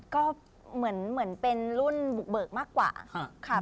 ก็เหมือนเป็นรุ่นบุกเบิกมากกว่าค่ะ